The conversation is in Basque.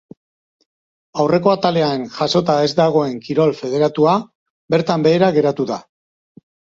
Aurreko atalean jasota ez dagoen kirol federatua bertan behera geratu da.